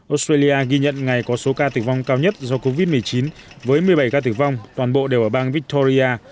australia ghi nhận ngày có số ca tử vong cao nhất do covid một mươi chín với một mươi bảy ca tử vong toàn bộ đều ở bang victoria